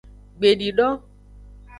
Gbedido.